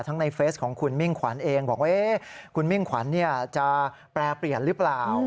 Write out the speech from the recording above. ในเฟสของคุณมิ่งขวัญเองบอกว่าคุณมิ่งขวัญจะแปรเปลี่ยนหรือเปล่า